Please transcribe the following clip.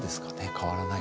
変わらない？